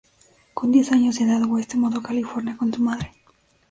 Con diez años de edad, West se mudó a California con su madre.